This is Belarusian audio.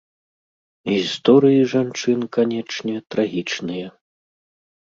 Гісторыі жанчын, канечне, трагічныя.